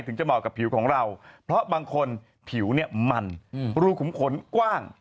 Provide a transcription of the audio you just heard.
จะเหมาะกับผิวของเราเพราะบางคนผิวเนี่ยมันรูขุมขนกว้าง